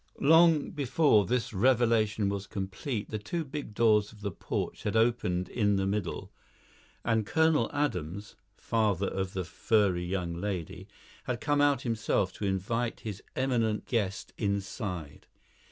Long before this revelation was complete the two big doors of the porch had opened in the middle, and Colonel Adams (father of the furry young lady) had come out himself to invite his eminent guest inside.